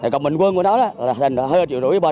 cộng bình quân của nó là hơn triệu rưỡi